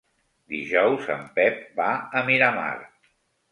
Dijous en Pep va a Miramar.